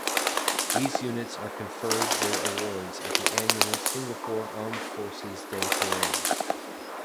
These units are conferred their awards at the annual Singapore Armed Forces Day parade.